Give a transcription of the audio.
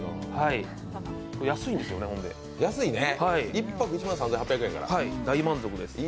安いんですよね、１泊１万３８００円から大満足です。